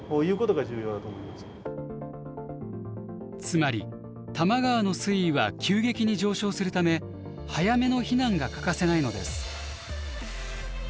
つまり多摩川の水位は急激に上昇するため早めの避難が欠かせないのです。